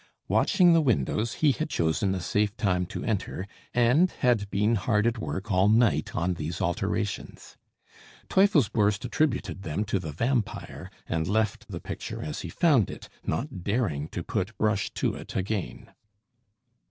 Watching the windows, he had chosen a safe time to enter, and had been hard at work all night on these alterations. Teufelsbürst attributed them to the vampire, and left the picture as he found it, not daring to put brush to it again.